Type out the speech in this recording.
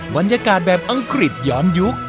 วันยากาศแบบอังกฤษยามยุค